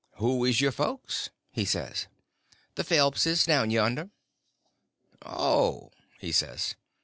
"Who is your folks?" he says. "The Phelpses, down yonder." "Oh," he says.